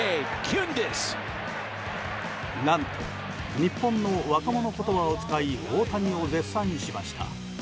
何と、日本の若者言葉を使い大谷を絶賛しました。